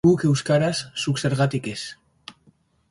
Guk euskaraz, zuk zergatik ez?